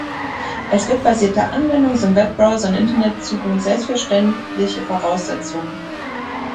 Als web-basierte Anwendung sind Webbrowser und Internetzugang selbstverständliche Voraussetzungen.